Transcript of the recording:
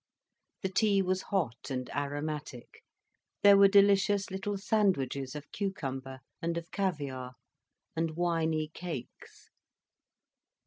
The tea was hot and aromatic, there were delicious little sandwiches of cucumber and of caviare, and winy cakes.